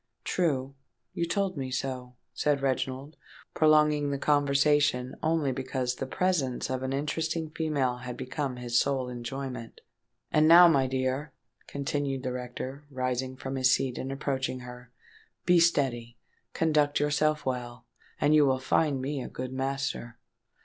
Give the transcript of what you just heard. "True—you told me so," said Reginald, prolonging the conversation only because the presence of an interesting female had become his sole enjoyment. "And now, my dear," continued the rector, rising from his seat, and approaching her, "be steady—conduct yourself well—and you will find me a good master."